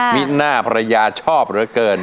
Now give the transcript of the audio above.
หน้าภรรยาชอบเหลือเกิน